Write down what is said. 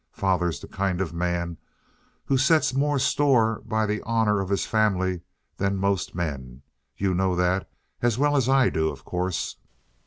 Father's the kind of a man who sets more store by the honor of his family than most men. You know that as well as I do, of course."